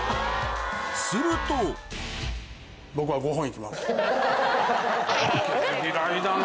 すると負けず嫌いだな。